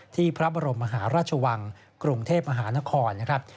พระบรมมหาราชวังกรุงเทพมหานครนะครับ